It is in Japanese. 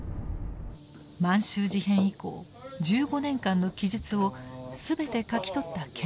満州事変以降１５年間の記述を全て書き取った研究者がいます。